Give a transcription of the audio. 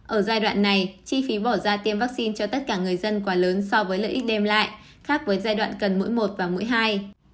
ở giai đoạn này chi phí bỏ ra tiêm vaccine cho tất cả người dân quá lớn so với lợi ích đem lại khác với giai đoạn cần mỗi một và mũi hai